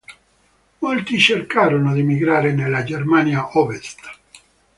Molti cercarono di emigrare nella Germania Ovest.